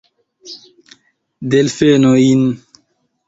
Delfenojn!